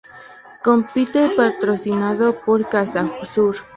Compite patrocinado por Cajasur.